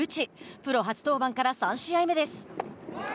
プロ初登板から３試合目です。